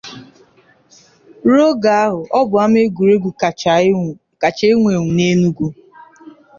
Ruo oge ahụ, ọ bụ ama egwuregwu kacha enwu enwu na Enugu.